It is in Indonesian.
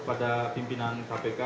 pada pimpinan kpk